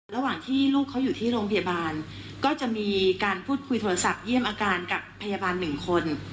ระหว่างที่ลูกเขาอยู่ที่โรงพยาบาลก็จะมีการพูดคุยโทรศัพท์เยี่ยมอาการกับพยาบาลหนึ่งคน